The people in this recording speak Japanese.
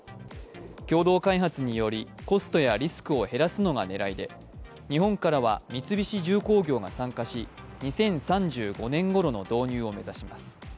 共同開発によりコストやリスクを減らすのが狙いで日本からは三菱重工業が参加し２０３５年ごろの導入を目指します。